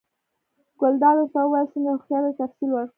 ګلداد ورته وویل: څنګه هوښیار دی، تفصیل ورکړه؟